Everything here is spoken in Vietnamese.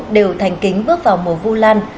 đều thành kính bước vào mùa vu lan